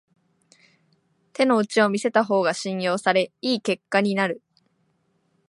手の内を見せた方が信用され良い結果になる